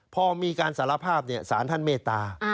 พอมีการสารภาพสารท่านเมตตา